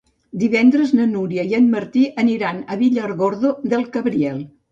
Divendres na Núria i en Martí aniran a Villargordo del Cabriel.